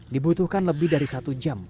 dibutuhkan lebih dari satu jam